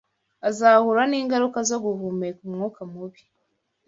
azahura n’ingaruka zo guhumeka umwuka mubi.